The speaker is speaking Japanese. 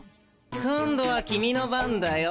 今度はキミの番だよ